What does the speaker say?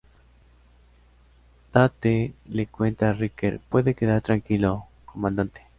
Data le cuenta a Riker: “Puede quedar tranquilo, Comandante.